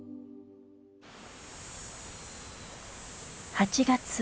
８月。